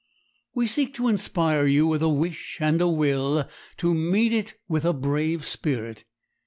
We seek to inspire you with a wish and a will to meet it with a brave spirit.